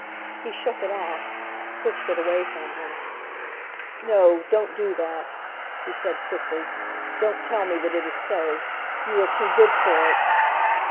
He shook it off, pushed it away from him. "No, don't do that," he said quickly. "Don't tell me that it is so. You are too good for it!"